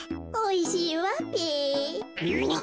おいしいわべ。